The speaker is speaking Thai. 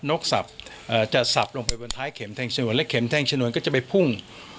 กสับจะสับลงไปบนท้ายเข็มแทงชนวนและเข็มแทงชนวนก็จะไปพุ่ง